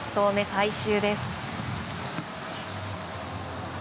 最終です。